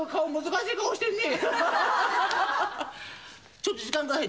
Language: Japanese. ちょっと時間下さい。